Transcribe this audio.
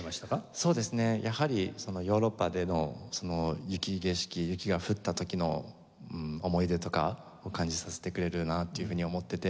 そうですねやはりヨーロッパでの雪景色雪が降った時の思い出とかを感じさせてくれるなっていうふうに思ってて。